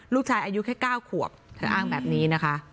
ลูกชายอายุแค่๙ขวบเธออ้างแบบนี้นะคะ